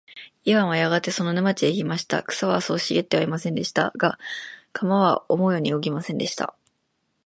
イワンはやがてその沼地へ来ました。草はそう茂ってはいませんでした。が、鎌は思うように動きませんでした。